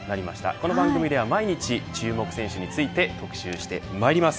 この番組では毎日、注目選手について特集してまいります。